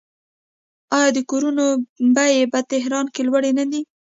آیا د کورونو بیې په تهران کې لوړې نه دي؟